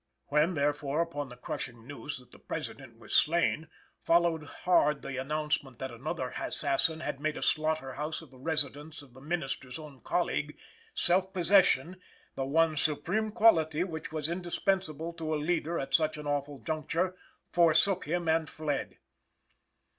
When, therefore, upon the crushing news that the President was slain, followed hard the announcement that another assassin had made a slaughter house of the residence of the Minister's own colleague, self possession the one supreme quality which was indispensable to a leader at such an awful juncture forsook him and fled.